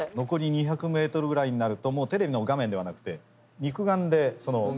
残り２００ｍぐらいになるともうテレビの画面ではなくて肉眼でその。